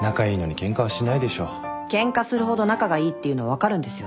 「ケンカするほど仲がいい」っていうのは分かるんですよね。